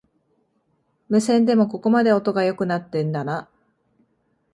無線でもここまで音が良くなってんだな